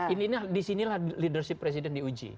ini disinilah leadership presiden diuji